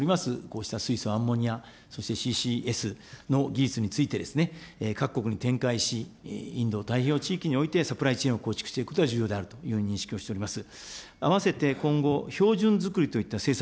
まさに日本が先行しております、こうした水素、アンモニア、そしてＣＣＳの技術について、各国に展開し、インド太平洋地域においてサプライチェーンを構築していくことが重要であるという認識をしております。